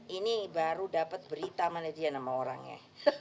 ini baru dapat berita mana dia nama orangnya